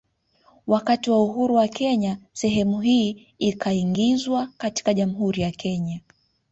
Wakati wa uhuru wa Kenya sehemu hii ikaingizwa katika Jamhuri ya Kenya